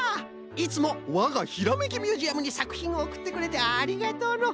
いつもわがひらめきミュージアムにさくひんをおくってくれてありがとうの。